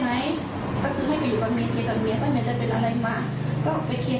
ก็ไม่ได้เป็นอะไรมากก็ไปเคลียร์กันให้มันเจ็บจนเป็นหวด